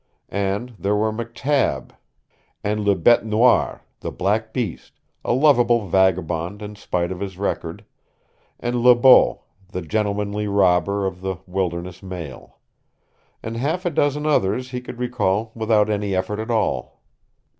And there were McTab, and le Bete Noir the Black Beast a lovable vagabond in spite of his record, and Le Beau, the gentlemanly robber of the wilderness mail, and half a dozen others he could recall without any effort at all.